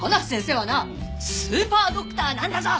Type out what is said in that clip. はなスーパードクターなんだぞ！